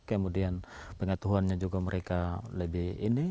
kemudian pengaturannya juga mereka lebih ini